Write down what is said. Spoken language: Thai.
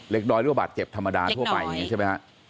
เล็กน้อยหรือบาดเจ็บธรรมดาทั่วไปใช่ไหมครับเล็กน้อย